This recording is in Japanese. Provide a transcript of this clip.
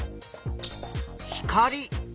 光。